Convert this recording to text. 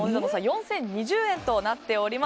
４０２０円となっています。